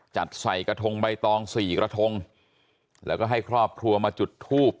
จัดใส่กระทงใบตองสี่กระทงแล้วก็ให้ครอบครัวมาจุดทูบ